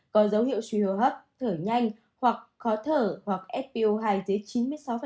có dấu hiệu suy hô hấp thở nhanh hoặc khó thở hoặc fp hai dưới chín mươi sáu